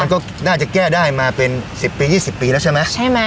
มันก็น่าจะแก้ได้มาเป็นสิบปียี่สิบปีแล้วใช่ไหมใช่ไหม